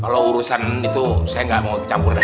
kalau urusan itu saya nggak mau ikut campur deh